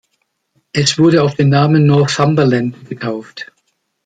Es wurde auf den Namen "Northumberland" getauft.